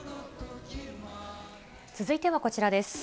続いてはこちらです。